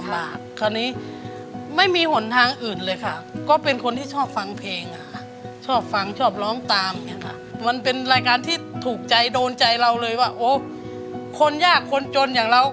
คราวนี้ไม่มีหนทางอื่นเลยค่ะก็เป็นคนที่ชอบฟังเพลงอะค่ะชอบฟังชอบร้องตามเนี่ยค่ะมันเป็นรายการที่ถูกใจโดนใจเราเลยว่าโอ้คนยากคนจนอย่างเรา